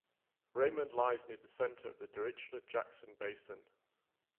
Raimond lies near the center of the Dirichlet-Jackson Basin.